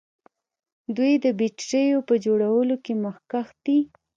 دوی د بیټریو په جوړولو کې مخکښ دي.